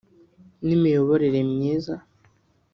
n’imiyoborere myiza